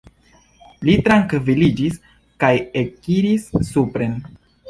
Li trankviliĝis kaj ekiris supren.